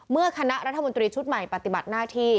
คณะรัฐมนตรีชุดใหม่ปฏิบัติหน้าที่